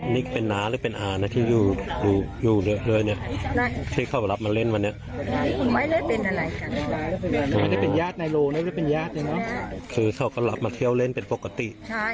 ไม่ได้เป็นญาติในโรงไม่ได้เป็นญาติเนี่ยเนาะคือเขาก็หลับมาเที่ยวเล่นเป็นปกติ